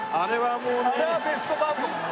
あれはベストバウトだね。